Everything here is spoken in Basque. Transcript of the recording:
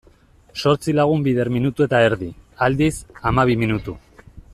Zortzi lagun bider minutu eta erdi, aldiz, hamabi minutu.